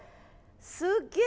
すげえ！